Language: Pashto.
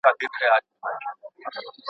تولستوی د ادبیاتو په تاریخ کې یو ستوری دی.